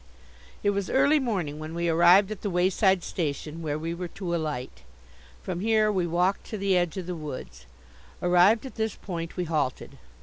It was early morning when we arrived at the wayside station where we were to alight. From here we walked to the edge of the woods. Arrived at this point we halted.